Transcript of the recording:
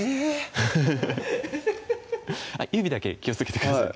フフフフッ指だけ気をつけてください